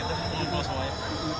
iya nggak ada masalah ya